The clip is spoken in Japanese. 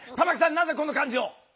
なぜこの漢字を？